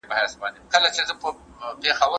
د شکر لمر همېشه د مصیبت تر وريځو وروسته راخیژي.